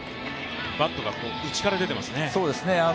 バットが内から出てますね。